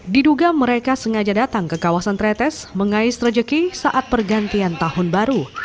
diduga mereka sengaja datang ke kawasan tretes mengais rejeki saat pergantian tahun baru